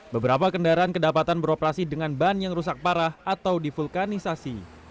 beberapa kendaraan kedapatan beroperasi dengan ban yang rusak parah atau divulkanisasi